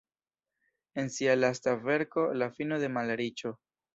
En sia lasta verko "La fino de malriĉo.